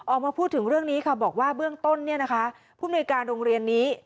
ออกมาพูดถึงเรื่องนี้ค่ะบอกว่าเบื้องต้นผู้บริการโรงเรียนนี้